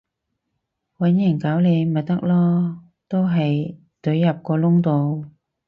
搵人搞你咪得囉，都係隊入個窿度